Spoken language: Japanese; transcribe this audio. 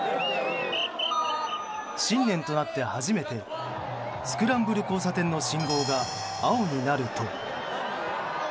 新年となって初めてスクランブル交差点の信号が青になると。